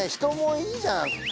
人もいいじゃん